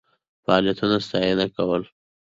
فعالیتونو ستاینه کول.